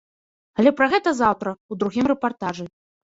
Але пра гэта заўтра у другім рэпартажы.